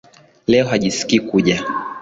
Leo hajiskii kuja.